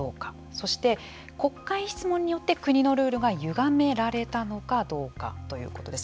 そして、国会質問によって国のルールがゆがめられたのかどうかということです。